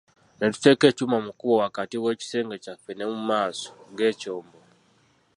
Ne tuteeka ekyuma mu lukuubo wakati w'ekisenge kyaffe ne mu maaso g'ekyombo.